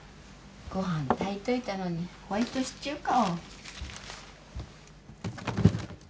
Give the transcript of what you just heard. ご飯炊いといたのにホワイトシチューか。